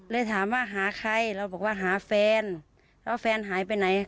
เลยถามว่าหาใครเราบอกว่าหาแฟนแล้วแฟนหายไปไหน